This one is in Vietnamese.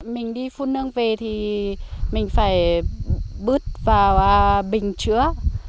mình đi phun nương về thì mình phải bước vào bình chứa